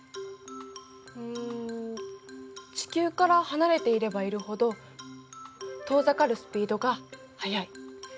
うん地球から離れていればいるほど遠ざかるスピードが速い。